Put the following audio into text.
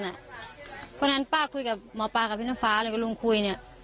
เพราะฉะนั้นป้าคุยกับหมอปลากับพี่น้ำฟ้าเลยคุณลุงคุยเนี่ย